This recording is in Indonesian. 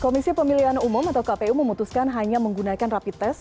komisi pemilihan umum atau kpu memutuskan hanya menggunakan rapi tes